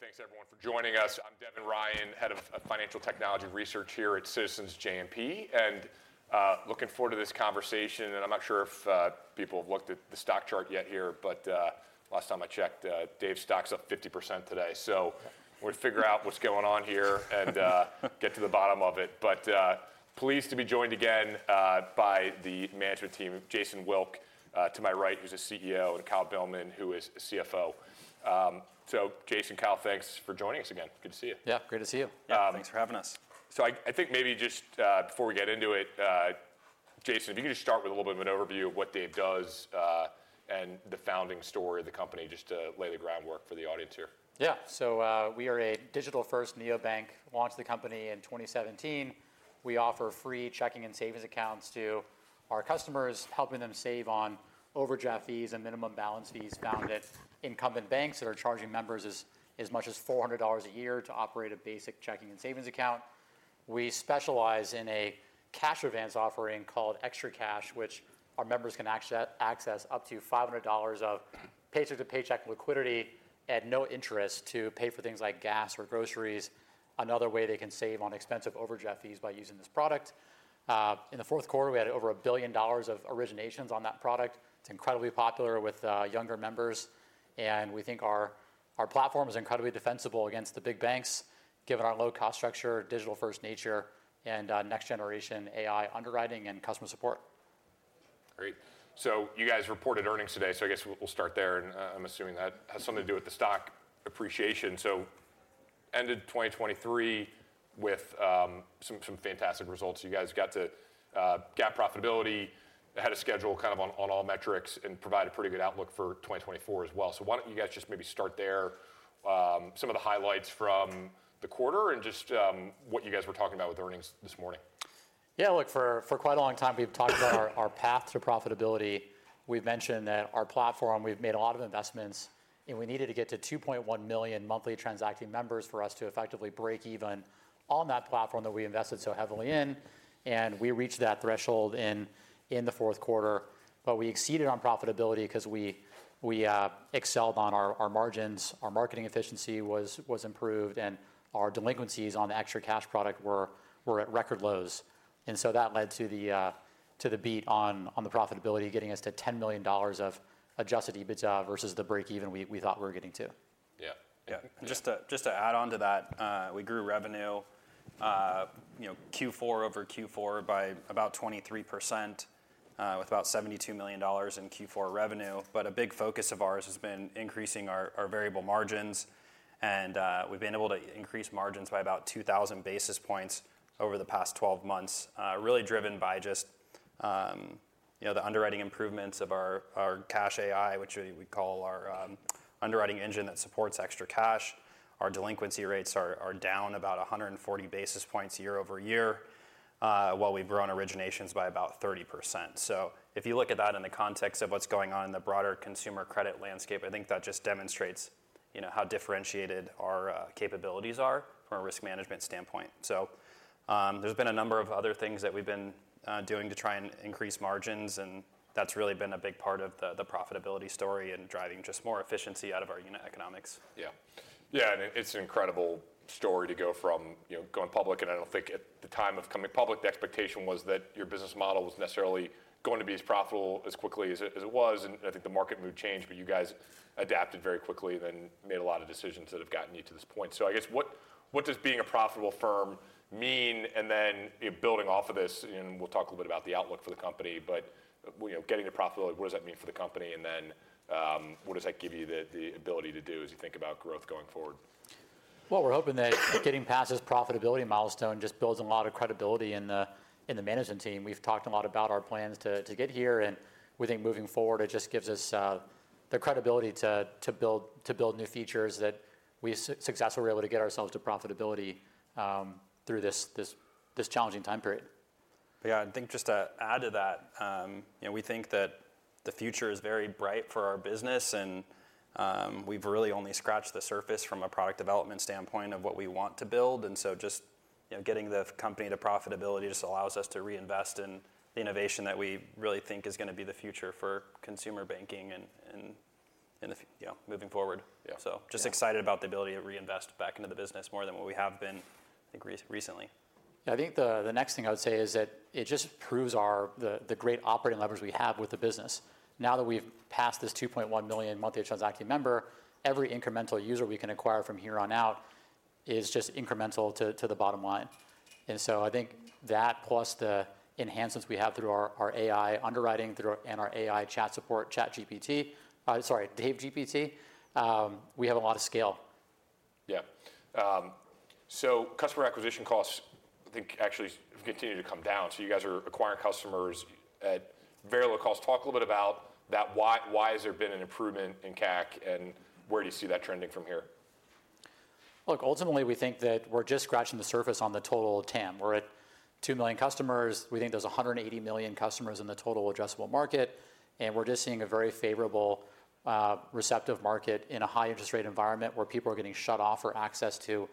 Hey, thanks everyone for joining us. I'm Devin Ryan, head of financial technology research here at Citizens JMP, and looking forward to this conversation. I'm not sure if people have looked at the stock chart yet here, but last time I checked, Dave's stock's up 50% today. We're going to figure out what's going on here and get to the bottom of it. Pleased to be joined again by the management team, Jason Wilk to my right, who's a CEO, and Kyle Beilman, who is a CFO. Jason, Kyle, thanks for joining us again. Good to see you. Yeah, great to see you. Thanks for having us. I think maybe just before we get into it, Jason, if you could just start with a little bit of an overview of what Dave does and the founding story of the company, just to lay the groundwork for the audience here. Yeah. We are a digital-first neobank. Launched the company in 2017. We offer free checking and savings accounts to our customers, helping them save on overdraft fees and minimum balance fees found at incumbent banks that are charging members as much as $400 a year to operate a basic checking and savings account. We specialize in a cash advance offering called ExtraCash, which our members can access up to $500 of paycheck-to-paycheck liquidity at no interest to pay for things like gas or groceries. Another way they can save on expensive overdraft fees is by using this product. In the fourth quarter, we had over $1 billion of originations on that product. It's incredibly popular with younger members. We think our platform is incredibly defensible against the big banks, given our low-cost structure, digital-first nature, and next-generation AI underwriting and customer support. Great. So you guys reported earnings today. So I guess we'll start there. And I'm assuming that has something to do with the stock appreciation. So ended 2023 with some fantastic results. You guys got to GAAP profitability, had a solid quarter on all metrics, and provided a pretty good outlook for 2024 as well. So why don't you guys just maybe start there, some of the highlights from the quarter, and just what you guys were talking about with earnings this morning? Yeah. Look, for quite a long time, we've talked about our path to profitability. We've mentioned that our platform, we've made a lot of investments, and we needed to get to 2.1 million monthly transacting members for us to effectively break even on that platform that we invested so heavily in. We reached that threshold in the fourth quarter. We exceeded on profitability because we excelled on our margins. Our marketing efficiency was improved. Our delinquencies on the ExtraCash product were at record lows. That led to the beat on the profitability, getting us to $10 million of Adjusted EBITDA versus the break-even we thought we were getting to. Yeah. And just to add on to that, we grew revenue Q4 over Q4 by about 23%, with about $72 million in Q4 revenue. A big focus of ours has been increasing our variable margins. We've been able to increase margins by about 2,000 basis points over the past 12 months, really driven by just the underwriting improvements of our CashAI, which we call our underwriting engine that supports ExtraCash. Our delinquency rates are down about 140 basis points year-over-year, while we've grown originations by about 30%. If you look at that in the context of what's going on in the broader consumer credit landscape, I think that just demonstrates how differentiated our capabilities are from a risk management standpoint. There's been a number of other things that we've been doing to try and increase margins. That's really been a big part of the profitability story and driving just more efficiency out of our unit economics. Yeah. Yeah. It's an incredible story to go from going public. I don't think at the time of coming public, the expectation was that your business model was necessarily going to be as profitable as quickly as it was. I think the market mood changed. But you guys adapted very quickly and then made a lot of decisions that have gotten you to this point. So I guess, what does being a profitable firm mean? Building off of this, we'll talk a little bit about the outlook for the company, but getting to profitability, what does that mean for the company? What does that give you the ability to do as you think about growth going forward? Well, we're hoping that getting past this profitability milestone just builds a lot of credibility in the management team. We've talked a lot about our plans to get here. We think moving forward, it just gives us the credibility to build new features that we successfully were able to get ourselves to profitability through this challenging time period. But yeah, I think just to add to that, we think that the future is very bright for our business. And we've really only scratched the surface from a product development standpoint of what we want to build. And so just getting the company to profitability just allows us to reinvest in the innovation that we really think is going to be the future for consumer banking moving forward. So just excited about the ability to reinvest back into the business more than what we have been, I think, recently. Yeah. I think the next thing I would say is that it just proves the great operating leverage we have with the business. Now that we've passed this 2.1 million monthly transacting member, every incremental user we can acquire from here on out is just incremental to the bottom line. And so I think that, plus the enhancements we have through our AI underwriting and our AI chat support, ChatGPT sorry, DaveGPT, we have a lot of scale. Yeah. So customer acquisition costs, I think, actually have continued to come down. So you guys are acquiring customers at very low cost. Talk a little bit about that. Why has there been an improvement in CAC? And where do you see that trending from here? Look, ultimately, we think that we're just scratching the surface on the total TAM. We're at 2 million customers. We think there's 180 million customers in the total addressable market. And we're just seeing a very favorable, receptive market in a high-interest rate environment where people are getting shut off for access to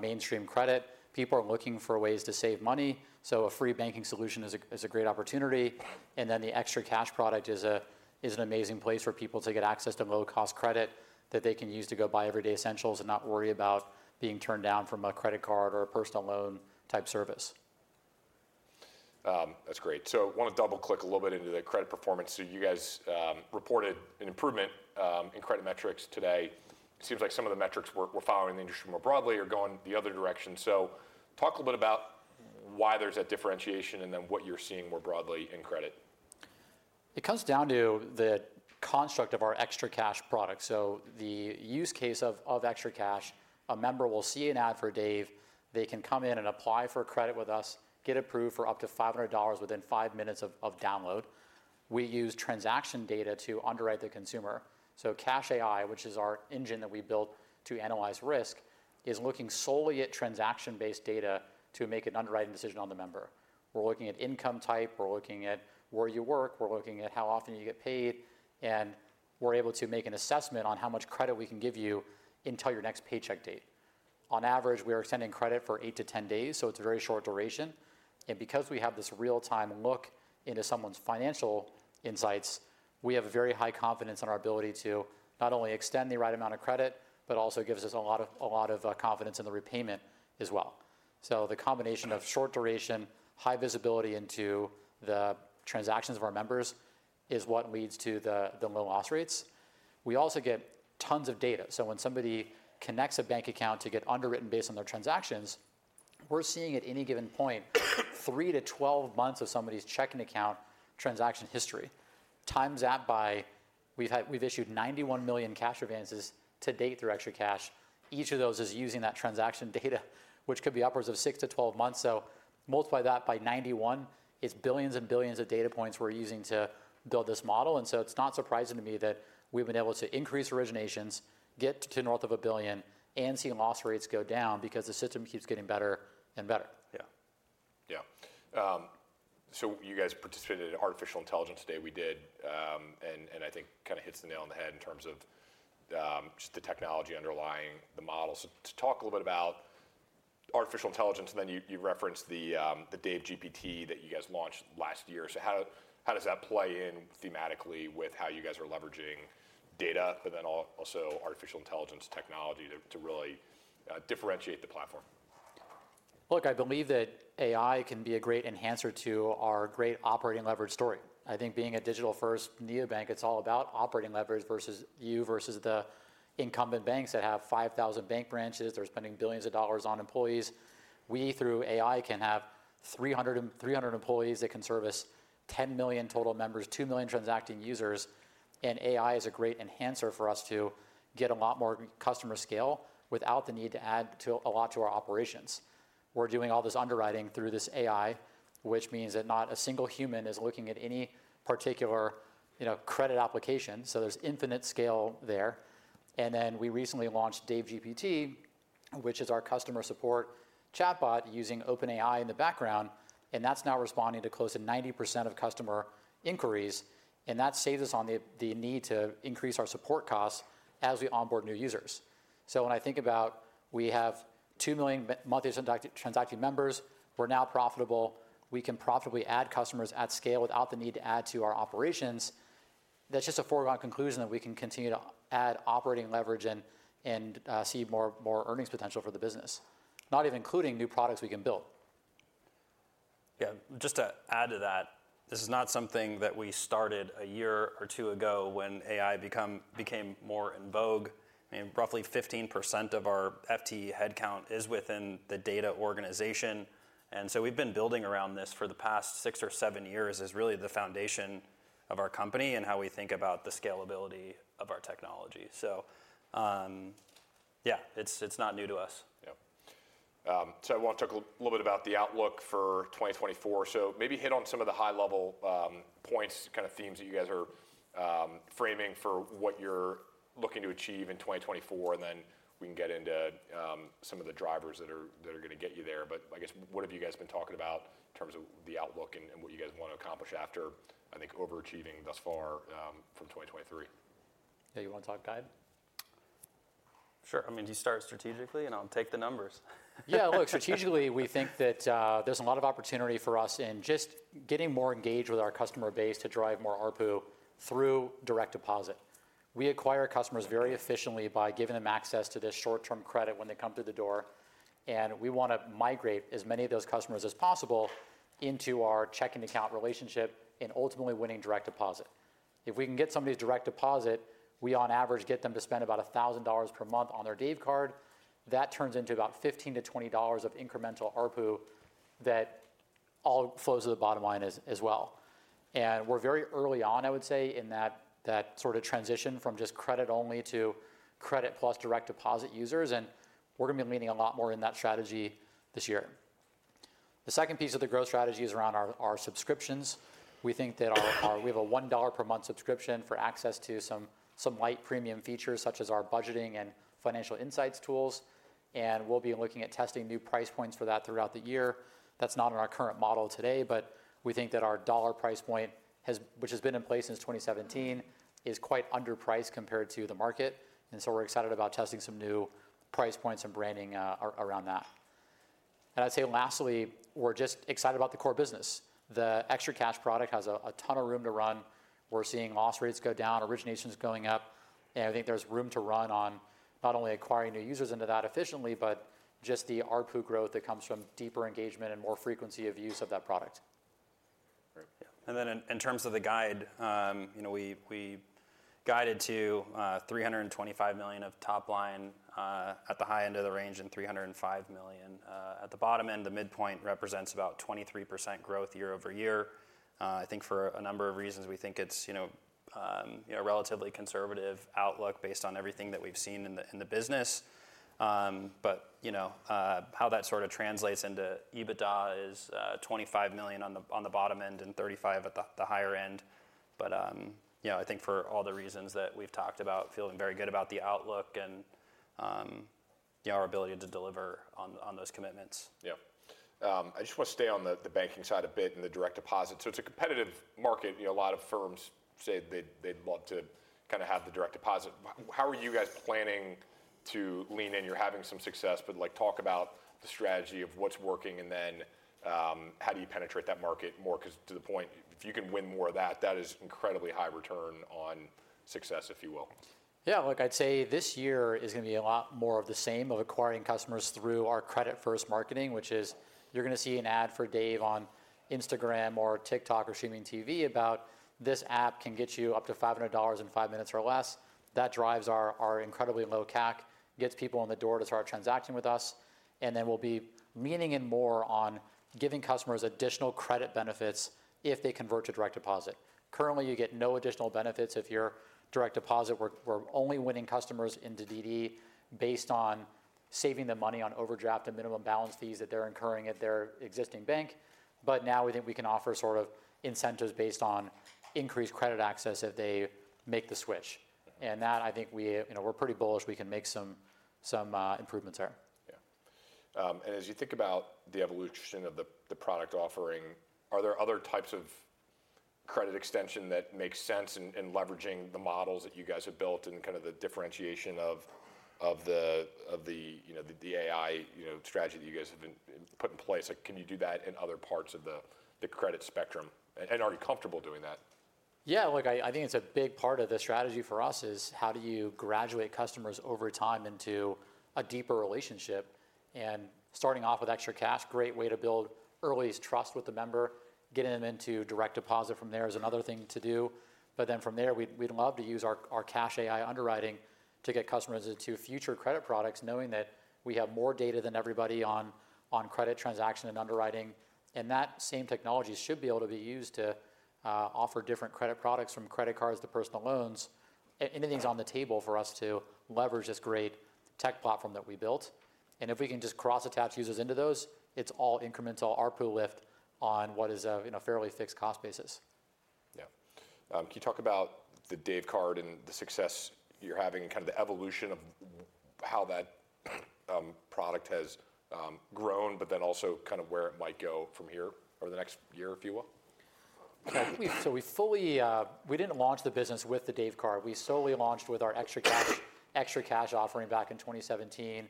mainstream credit. People are looking for ways to save money. So a free banking solution is a great opportunity. And then the Extra Cash product is an amazing place for people to get access to low-cost credit that they can use to go buy everyday essentials and not worry about being turned down from a credit card or a personal loan type service. That's great. So I want to double-click a little bit into the credit performance. So you guys reported an improvement in credit metrics today. It seems like some of the metrics we're following in the industry more broadly are going the other direction. So talk a little bit about why there's that differentiation and then what you're seeing more broadly in credit. It comes down to the construct of our ExtraCash product. The use case of ExtraCash, a member will see an ad for Dave. They can come in and apply for credit with us, get approved for up to $500 within 5 minutes of download. We use transaction data to underwrite the consumer. CashAI, which is our engine that we built to analyze risk, is looking solely at transaction-based data to make an underwriting decision on the member. We're looking at income type. We're looking at where you work. We're looking at how often you get paid. And we're able to make an assessment on how much credit we can give you until your next paycheck date. On average, we are extending credit for 8-10 days. It's a very short duration. Because we have this real-time look into someone's financial insights, we have a very high confidence in our ability to not only extend the right amount of credit but also gives us a lot of confidence in the repayment as well. So the combination of short duration, high visibility into the transactions of our members is what leads to the low loss rates. We also get tons of data. So when somebody connects a bank account to get underwritten based on their transactions, we're seeing at any given point 3-12 months of somebody's checking account transaction history. Times that by we've issued 91 million cash advances to date through ExtraCash. Each of those is using that transaction data, which could be upwards of 6-12 months. So multiply that by 91. It's billions and billions of data points we're using to build this model. And so it's not surprising to me that we've been able to increase originations, get to north of $1 billion, and see loss rates go down because the system keeps getting better and better. Yeah. Yeah. So you guys participated in artificial intelligence today. We did. And I think kind of hits the nail on the head in terms of just the technology underlying the model. So talk a little bit about artificial intelligence. And then you referenced the DaveGPT that you guys launched last year. So how does that play in thematically with how you guys are leveraging data, but then also artificial intelligence technology to really differentiate the platform? Look, I believe that AI can be a great enhancer to our great operating leverage story. I think being a digital-first neobank, it's all about operating leverage versus you versus the incumbent banks that have 5,000 bank branches. They're spending billions of dollars on employees. We, through AI, can have 300 employees that can service 10 million total members, 2 million transacting users. And AI is a great enhancer for us to get a lot more customer scale without the need to add a lot to our operations. We're doing all this underwriting through this AI, which means that not a single human is looking at any particular credit application. So there's infinite scale there. And then we recently launched DaveGPT, which is our customer support chatbot using OpenAI in the background. And that's now responding to close to 90% of customer inquiries. That saves us on the need to increase our support costs as we onboard new users. So when I think about, we have 2 million monthly transacting members. We're now profitable. We can profitably add customers at scale without the need to add to our operations. That's just a foregone conclusion that we can continue to add operating leverage and see more earnings potential for the business, not even including new products we can build. Yeah. Just to add to that, this is not something that we started a year or two ago when AI became more in vogue. I mean, roughly 15% of our FTE headcount is within the data organization. And so we've been building around this for the past 6 or 7 years as really the foundation of our company and how we think about the scalability of our technology. So yeah, it's not new to us. Yeah. So I want to talk a little bit about the outlook for 2024. So maybe hit on some of the high-level points, kind of themes that you guys are framing for what you're looking to achieve in 2024. And then we can get into some of the drivers that are going to get you there. But I guess what have you guys been talking about in terms of the outlook and what you guys want to accomplish after, I think, overachieving thus far from 2023? Yeah. You want to talk, Guy? Sure. I mean, do you start strategically? And I'll take the numbers. Yeah. Look, strategically, we think that there's a lot of opportunity for us in just getting more engaged with our customer base to drive more ARPU through direct deposit. We acquire customers very efficiently by giving them access to this short-term credit when they come through the door. And we want to migrate as many of those customers as possible into our checking account relationship and ultimately winning direct deposit. If we can get somebody's direct deposit, we, on average, get them to spend about $1,000 per month on their Dave Card. That turns into about $15-$20 of incremental ARPU that all flows to the bottom line as well. And we're very early on, I would say, in that sort of transition from just credit-only to credit plus direct deposit users. And we're going to be leaning a lot more in that strategy this year. The second piece of the growth strategy is around our subscriptions. We think that we have a $1 per month subscription for access to some light premium features, such as our budgeting and financial insights tools. We'll be looking at testing new price points for that throughout the year. That's not in our current model today. We think that our dollar price point, which has been in place since 2017, is quite underpriced compared to the market. We're excited about testing some new price points and branding around that. I'd say lastly, we're just excited about the core business. The ExtraCash product has a ton of room to run. We're seeing loss rates go down, originations going up. I think there's room to run on not only acquiring new users into that efficiently but just the ARPU growth that comes from deeper engagement and more frequency of use of that product. Great. Yeah. And then in terms of the guide, we guided to $325 million of top line at the high end of the range and $305 million at the bottom end. The midpoint represents about 23% growth year-over-year. I think for a number of reasons, we think it's a relatively conservative outlook based on everything that we've seen in the business. But how that sort of translates into EBITDA is $25 million on the bottom end and $35 million at the higher end. But I think for all the reasons that we've talked about, feeling very good about the outlook and our ability to deliver on those commitments. Yeah. I just want to stay on the banking side a bit and the direct deposit. So it's a competitive market. A lot of firms say they'd love to kind of have the direct deposit. How are you guys planning to lean in? You're having some success. But talk about the strategy of what's working. And then how do you penetrate that market more? Because to the point, if you can win more of that, that is incredibly high return on success, if you will. Yeah. Look, I'd say this year is going to be a lot more of the same of acquiring customers through our credit-first marketing, which is you're going to see an ad for Dave on Instagram or TikTok or streaming TV about this app can get you up to $500 in five minutes or less. That drives our incredibly low CAC, gets people in the door to start transacting with us. And then we'll be leaning in more on giving customers additional credit benefits if they convert to direct deposit. Currently, you get no additional benefits if you're direct deposit. We're only winning customers into DD based on saving the money on overdraft and minimum balance fees that they're incurring at their existing bank. But now we think we can offer sort of incentives based on increased credit access if they make the switch. And that, I think, we're pretty bullish. We can make some improvements there. Yeah. As you think about the evolution of the product offering, are there other types of credit extension that make sense in leveraging the models that you guys have built and kind of the differentiation of the AI strategy that you guys have put in place? Can you do that in other parts of the credit spectrum? Are you comfortable doing that? Yeah. Look, I think it's a big part of the strategy for us is how do you graduate customers over time into a deeper relationship? And starting off with ExtraCash, great way to build early trust with the member. Getting them into direct deposit from there is another thing to do. But then from there, we'd love to use our CashAI underwriting to get customers into future credit products, knowing that we have more data than everybody on credit transaction and underwriting. And that same technology should be able to be used to offer different credit products from credit cards to personal loans. Anything's on the table for us to leverage this great tech platform that we built. And if we can just cross-attach users into those, it's all incremental ARPU lift on what is a fairly fixed cost basis. Yeah. Can you talk about the Dave Card and the success you're having and kind of the evolution of how that product has grown but then also kind of where it might go from here over the next year, if you will? Yeah. So we didn't launch the business with the Dave Card. We solely launched with our ExtraCash offering back in 2017.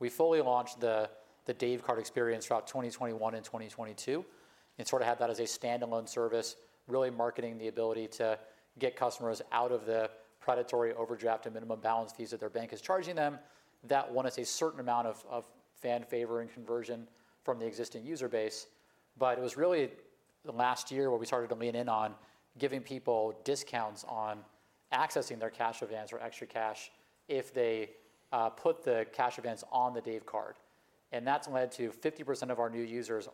We fully launched the Dave Card experience throughout 2021 and 2022 and sort of had that as a standalone service, really marketing the ability to get customers out of the predatory overdraft and minimum balance fees that their bank is charging them. That won us a certain amount of fan favor and conversion from the existing user base. But it was really the last year where we started to lean in on giving people discounts on accessing their cash advance or ExtraCash if they put the cash advance on the Dave Card. And that's led to 50% of our new users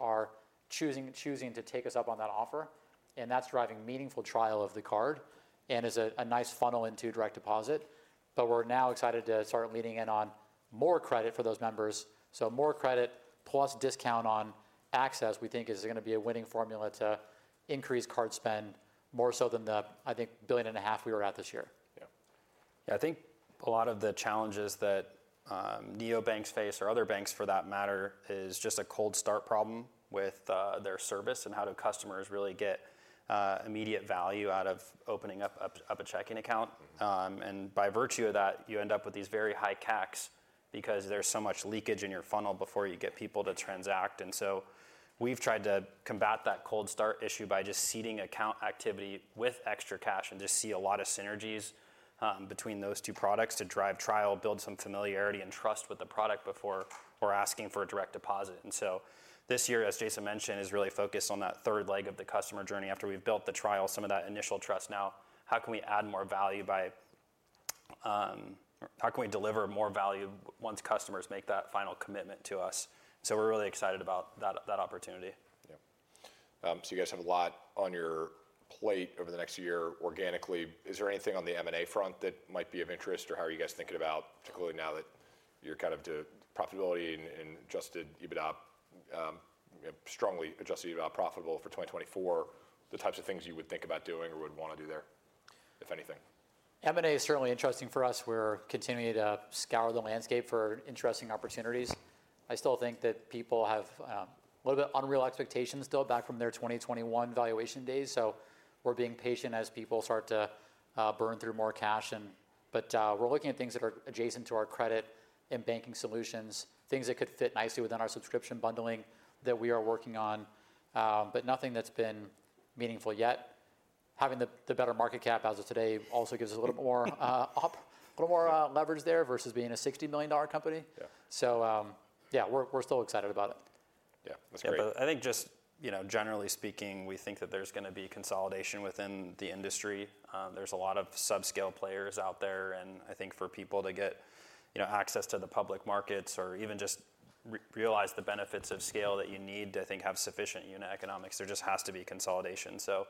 choosing to take us up on that offer. And that's driving meaningful trial of the card and is a nice funnel into direct deposit. But we're now excited to start leaning in on more credit for those members. So more credit plus discount on access, we think, is going to be a winning formula to increase card spend more so than the, I think, $1.5 billion we were at this year. Yeah. Yeah. I think a lot of the challenges that neobanks face or other banks, for that matter, is just a cold start problem with their service and how do customers really get immediate value out of opening up a checking account. And by virtue of that, you end up with these very high CACs because there's so much leakage in your funnel before you get people to transact. And so we've tried to combat that cold start issue by just seeding account activity with ExtraCash and just see a lot of synergies between those two products to drive trial, build some familiarity and trust with the product before we're asking for a direct deposit. And so this year, as Jason mentioned, is really focused on that third leg of the customer journey. After we've built the trial, some of that initial trust now, how can we add more value by how can we deliver more value once customers make that final commitment to us? And so we're really excited about that opportunity. Yeah. So you guys have a lot on your plate over the next year organically. Is there anything on the M&A front that might be of interest? Or how are you guys thinking about, particularly now that you're kind of profitability and strongly adjusted to be profitable for 2024, the types of things you would think about doing or would want to do there, if anything? M&A is certainly interesting for us. We're continuing to scour the landscape for interesting opportunities. I still think that people have a little bit unreal expectations still back from their 2021 valuation days. So we're being patient as people start to burn through more cash. But we're looking at things that are adjacent to our credit and banking solutions, things that could fit nicely within our subscription bundling that we are working on but nothing that's been meaningful yet. Having the better market cap as of today also gives us a little more leverage there versus being a $60 million company. So yeah, we're still excited about it. Yeah. That's great. Yeah. But I think just generally speaking, we think that there's going to be consolidation within the industry. There's a lot of subscale players out there. And I think for people to get access to the public markets or even just realize the benefits of scale that you need to, I think, have sufficient unit economics, there just has to be consolidation. So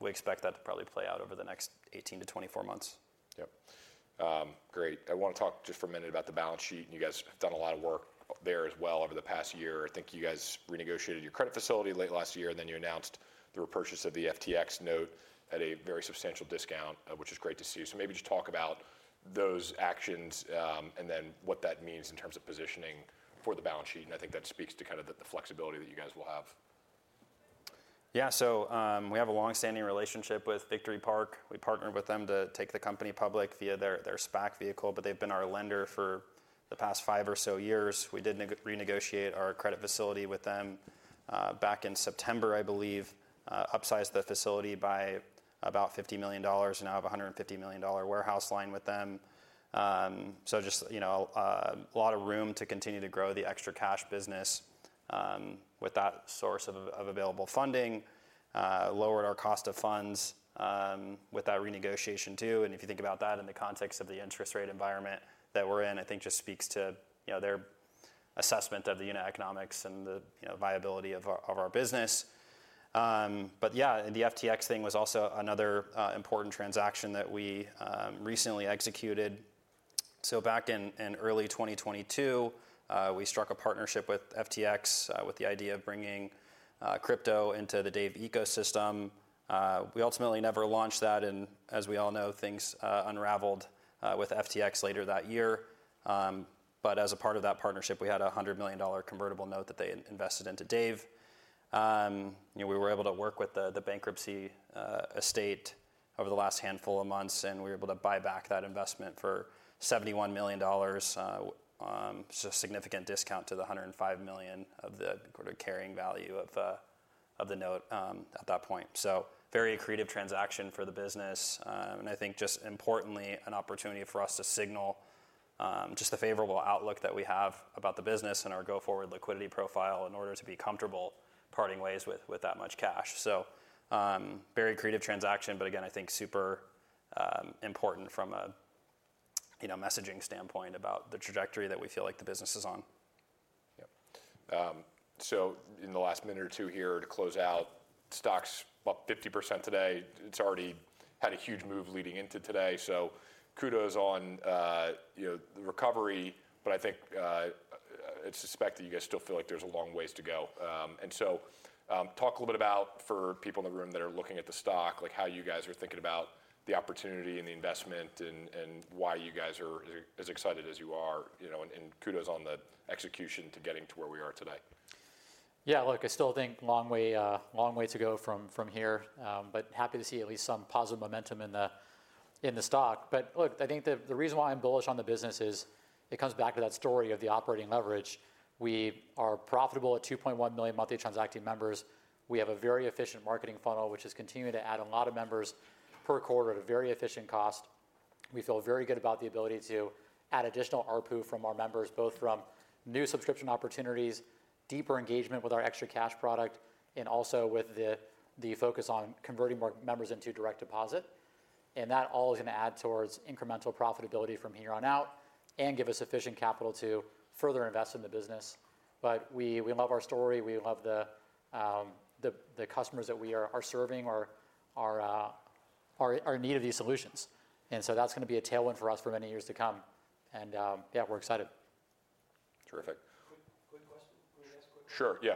we expect that to probably play out over the next 18-24 months. Yeah. Great. I want to talk just for a minute about the balance sheet. You guys have done a lot of work there as well over the past year. I think you guys renegotiated your credit facility late last year. Then you announced the repurchase of the FTX note at a very substantial discount, which is great to see. Maybe just talk about those actions and then what that means in terms of positioning for the balance sheet. I think that speaks to kind of the flexibility that you guys will have. Yeah. So we have a longstanding relationship with Victory Park. We partnered with them to take the company public via their SPAC vehicle. But they've been our lender for the past five or so years. We did renegotiate our credit facility with them back in September, I believe, upsized the facility by about $50 million. And now have a $150 million warehouse line with them. So just a lot of room to continue to grow the ExtraCash business with that source of available funding, lowered our cost of funds with that renegotiation too. And if you think about that in the context of the interest rate environment that we're in, I think just speaks to their assessment of the unit economics and the viability of our business. But yeah, the FTX thing was also another important transaction that we recently executed. So back in early 2022, we struck a partnership with FTX with the idea of bringing crypto into the Dave ecosystem. We ultimately never launched that. And as we all know, things unraveled with FTX later that year. But as a part of that partnership, we had a $100 million convertible note that they invested into Dave. We were able to work with the bankruptcy estate over the last handful of months. And we were able to buy back that investment for $71 million, just a significant discount to the $105 million of the carrying value of the note at that point. So, a very creative transaction for the business. And I think, just importantly, an opportunity for us to signal just the favorable outlook that we have about the business and our go-forward liquidity profile in order to be comfortable parting ways with that much cash. Very creative transaction. Again, I think super important from a messaging standpoint about the trajectory that we feel like the business is on. Yeah. So in the last minute or two here to close out, stocks up 50% today. It's already had a huge move leading into today. So kudos on the recovery. But I suspect that you guys still feel like there's a long ways to go. And so talk a little bit about, for people in the room that are looking at the stock, how you guys are thinking about the opportunity and the investment and why you guys are as excited as you are. And kudos on the execution to getting to where we are today. Yeah. Look, I still think long way to go from here. But happy to see at least some positive momentum in the stock. But look, I think the reason why I'm bullish on the business is it comes back to that story of the operating leverage. We are profitable at 2.1 million monthly transacting members. We have a very efficient marketing funnel, which is continuing to add a lot of members per quarter at a very efficient cost. We feel very good about the ability to add additional ARPU from our members, both from new subscription opportunities, deeper engagement with our ExtraCash product, and also with the focus on converting more members into direct deposit. And that all is going to add towards incremental profitability from here on out and give us sufficient capital to further invest in the business. But we love our story. We love the customers that we are serving, our need of these solutions. And so that's going to be a tailwind for us for many years to come. And yeah, we're excited. Terrific. Quick question. Can we ask quickly? Sure. Yeah.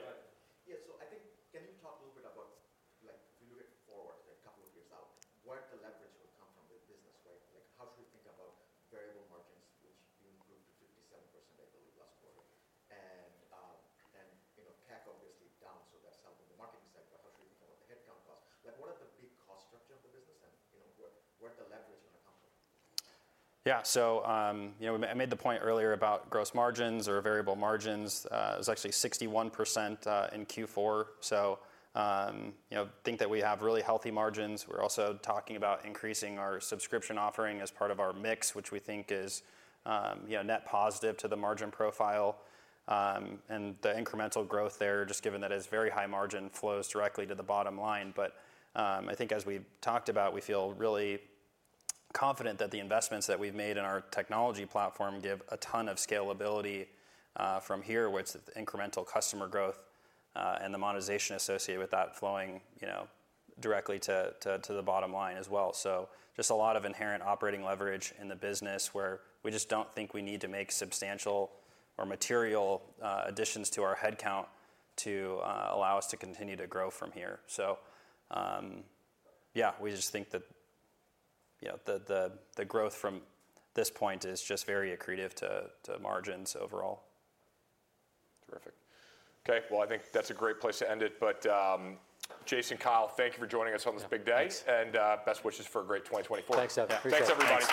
confident that the investments that we've made in our technology platform give a ton of scalability from here, which is incremental customer growth and the monetization associated with that flowing directly to the bottom line as well. So just a lot of inherent operating leverage in the business where we just don't think we need to make substantial or material additions to our headcount to allow us to continue to grow from here. So yeah, we just think that the growth from this point is just very accretive to margins overall. Terrific. OK. Well, I think that's a great place to end it. But Jason, Kyle, thank you for joining us on this big day. And best wishes for a great 2024. Thanks, Devin. Appreciate it. Thanks, everybody.